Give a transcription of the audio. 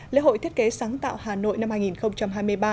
lễ hội thiết kế sáng tạo hà nội năm hai nghìn hai mươi ba